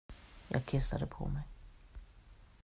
Jag kissade på mig.